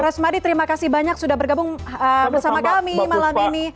rosmadi terima kasih banyak sudah bergabung bersama kami malam ini